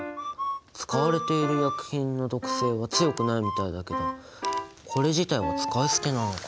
使われている薬品の毒性は強くないみたいだけどこれ自体は使い捨てなのか。